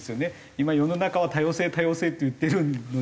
今世の中は多様性多様性って言ってるのに。